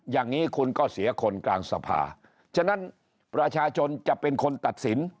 อย่างนี้คุณก็เสียคนกลางสภาฉะนั้นประชาชนจะเป็นคนตัดสิน